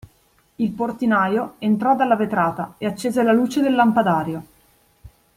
Il portinaio entrò dalla vetrata e accese la luce del lampadario.